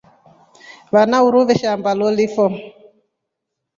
Vana uruu veshamba lilifo.